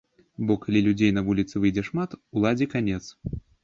Бо калі людзей на вуліцы выйдзе шмат, уладзе канец.